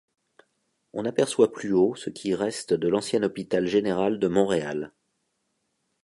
On aperçoit plus haut ce qui reste de l'Ancien hôpital général de Montréal.